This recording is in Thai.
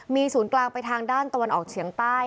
มีศูนย์กลางไปทางด้านตะวันออกเฉียงใต้